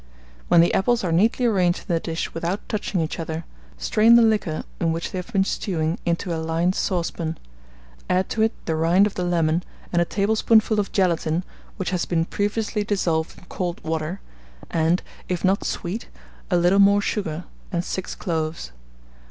When the apples are neatly arranged in the dish without touching each other, strain the liquor in which they have been stewing, into a lined saucepan; add to it the rind of the lemon, and a tablespoonful of gelatine which has been previously dissolved in cold water, and, if not sweet, a little more sugar, and 6 cloves.